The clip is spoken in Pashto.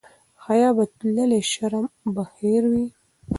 حیا به تللې شرم به هېر وي.